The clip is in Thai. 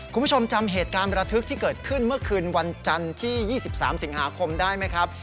คุณผู้ชมจำเหตุการณ์ประทึกที่เกิดขึ้นเมื่อคืนวันจันทร์ที่๒๓สิงหาคมได้ไหมครับ